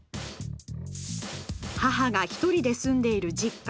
母が１人で住んでいる実家。